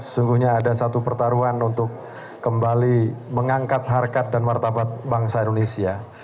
sungguhnya ada satu pertaruhan untuk kembali mengangkat harkat dan martabat bangsa indonesia